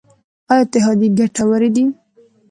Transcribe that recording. آیا اتحادیې ګټورې دي؟